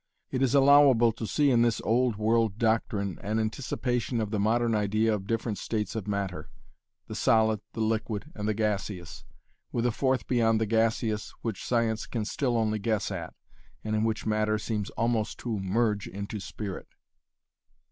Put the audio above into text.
It is allowable to see in this old world doctrine an anticipation of the modern idea of different states of matter the solid, the liquid, and the gaseous, with a fourth beyond the gaseous which science can still only guess at, and in which matter seems almost to merge into spirit.